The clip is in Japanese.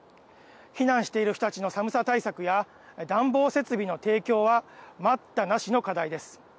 避難している人たちの寒さ対策や暖房設備の提供は待ったなしの課題です。